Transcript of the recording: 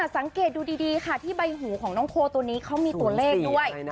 สังเกตดูดีค่ะที่ใบหูของน้องโคตัวนี้เขามีตัวเลขด้วย